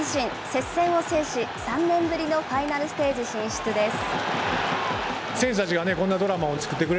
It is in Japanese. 接戦を制し、３年ぶりのファイナルステージ進出です。